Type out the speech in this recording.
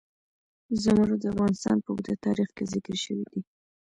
زمرد د افغانستان په اوږده تاریخ کې ذکر شوی دی.